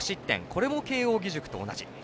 これも慶応義塾と同じ。